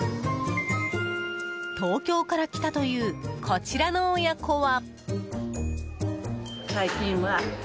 東京から来たというこちらの親子は。